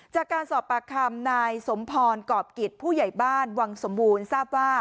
จากการสอบปากคำนายสมพรกรอบกิจผู้ใหญ่บ้านวังสมบูรณ์ทราบว่า